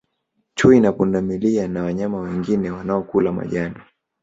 Chui na pundamilia na wanyama wengine wanaokula majani